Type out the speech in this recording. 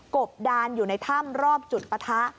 บดานอยู่ในถ้ำรอบจุดปะทะ